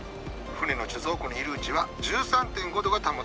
船の貯蔵庫にいるうちは１３．５度が保たれていたよね。